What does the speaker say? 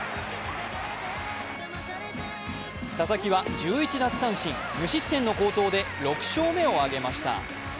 佐々木は１１奪三振、無失点の好投で６勝目を挙げました。